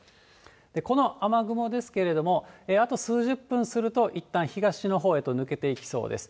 この雨雲ですけれども、あと数十分すると、いったん東のほうへと抜けていきそうです。